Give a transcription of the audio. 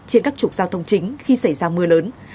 trên các trục giao thông chính khi xảy ra mưa lớn